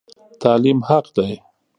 تعلیم حق دی.